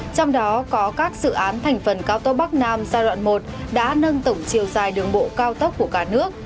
trong đó có các dự án thành phần cao tốc bắc nam giai đoạn một đã nâng tổng chiều dài đường bộ cao tốc của cả nước